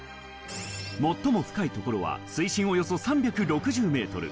最も深いところは水深およそ３６０メートル。